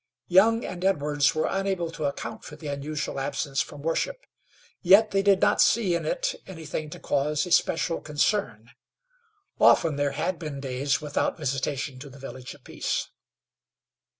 Young and Edwards were unable to account for the unusual absence from worship, yet they did not see in it anything to cause especial concern. Often there had been days without visitation to the Village of Peace.